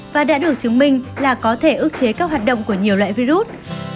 và đã được chứng minh là có thể ước chế các hoạt động của nhiều loại virus